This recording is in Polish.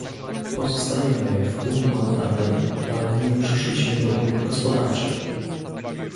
Pozostajemy w unii monetarnej, ale nie przeszliśmy do unii gospodarczej